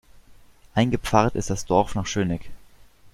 Eingepfarrt ist das Dorf nach Schöneck.